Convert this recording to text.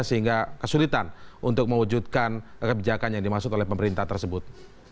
sehingga kesulitan untuk mewujudkan kebijakan yang dimaksud oleh pemerintah tersebut